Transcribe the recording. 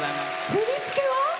振り付けは？